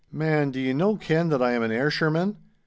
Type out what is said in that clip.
Man, do ye no ken that I am an Ayrshireman?